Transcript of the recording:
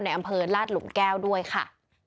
อำเภอลาดหลุมแก้วด้วยค่ะ